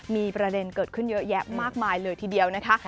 มีประเด็นเกิดขึ้นเยอะแยะมากมายเลยทีเดียวนะคะ